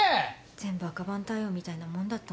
全部赤番対応みたいなもんだったのに。